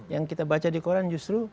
yang kita baca di koran justru